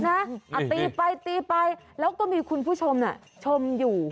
ตีไปตีไปแล้วก็มีคุณผู้ชมชมอยู่